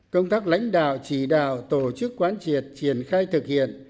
công tác lãnh đạo chỉ đạo tổ chức quán triệt triển khai thực hiện